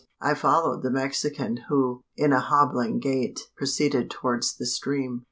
I followed the Mexican, who, in a hobbling gait, proceeded towards the stream.